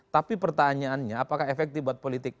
tapi pertanyaannya apakah efektif buat politik